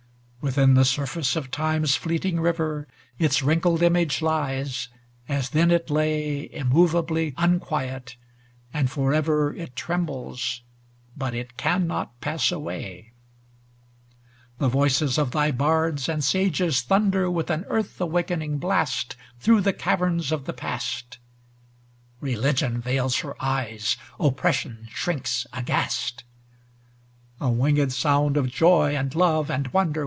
VI Within the surface of Time's fleeting river Its wrinkled image lies, as then it lay Immovably unquiet, and forever It trembles, but it cannot pass away ! The voices of thy bards and sages thunder With an earth awakening blast Through the caverns of the past; Religion veils her eyes ; Oppression shrinks aghast. A wingM sound of joy, and love, and wonder.